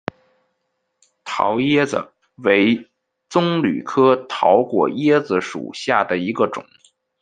桃椰子为棕榈科桃果椰子属下的一个种。